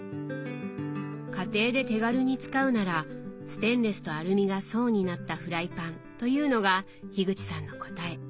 家庭で手軽に使うならステンレスとアルミが層になったフライパンというのが口さんの答え。